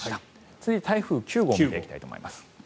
続いて台風９号も見ていきたいと思います。